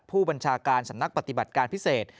ผู้บัญชาการสำนักปฏิบัติการพิเศษ